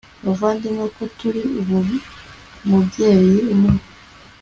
bavandimwe, ko turi ab'umubyeyi umwe